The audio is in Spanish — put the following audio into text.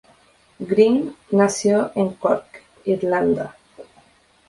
Greene nació en Cork, Irlanda.